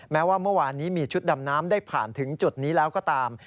แม้ว่าเมื่อวานนี้มีชุดดำน้ำได้ผ่านถึงจุดนี้แล้วก็ตาม